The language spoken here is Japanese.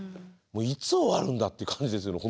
もういつ終わるんだって感じですよね